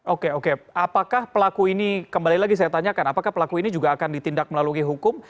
oke oke apakah pelaku ini kembali lagi saya tanyakan apakah pelaku ini juga akan ditindak melalui hukum